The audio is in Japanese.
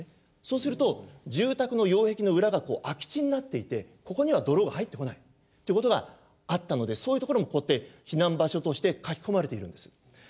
そうすると住宅の擁壁の裏が空き地になっていてここには泥が入ってこないってことがあったのでそういうところもこうやって避難場所として書き込まれているんです。